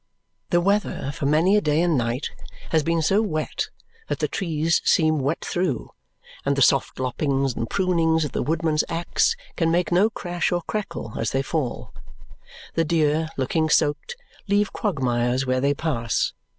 The weather for many a day and night has been so wet that the trees seem wet through, and the soft loppings and prunings of the woodman's axe can make no crash or crackle as they fall. The deer, looking soaked, leave quagmires where they pass.